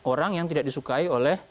dan juga orang yang tidak disukai oleh